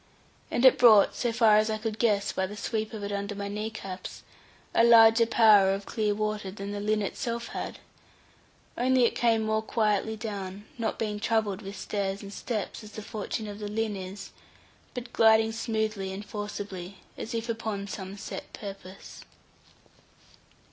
And it brought, so far as I could guess by the sweep of it under my knee caps, a larger power of clear water than the Lynn itself had; only it came more quietly down, not being troubled with stairs and steps, as the fortune of the Lynn is, but gliding smoothly and forcibly, as if upon some set purpose.